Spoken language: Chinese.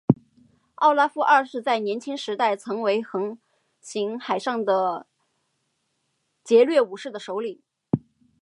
奥拉夫二世在年轻时代曾为横行海上的劫掠武士的首领。